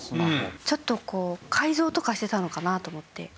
ちょっと改造とかしてたのかなと思って。